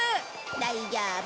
大丈夫！